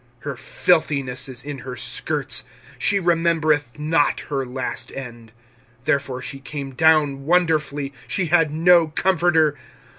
25:001:009 Her filthiness is in her skirts; she remembereth not her last end; therefore she came down wonderfully: she had no comforter.